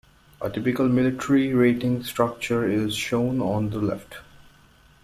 A typical military rating structure is shown on the left.